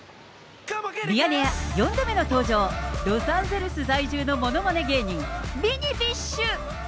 ミヤネ屋、４度目の登場、ロサンゼルス在住のものまね芸人、ミニビッシュ。